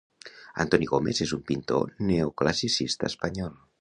Antoni Gómez és un pintor neoclassicista espanyol.